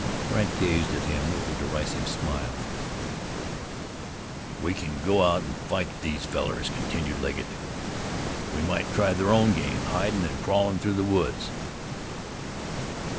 Brandt gazed at him with a derisive smile. "We kin go out an' fight these fellars," continued Legget. "We might try their own game, hidin' an' crawlin' through the woods."